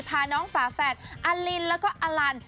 พาน้องฝาแฝดอลินแล้วก็อลัน